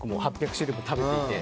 ８００種類も食べていて。